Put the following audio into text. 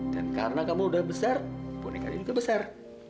dan karena kamu udah besar boneka ini juga besar